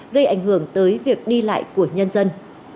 gây ảnh hưởng tới việc đi lại của nhân dân